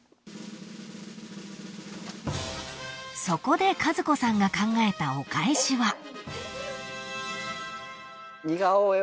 ［そこで和子さんが考えたお返しは］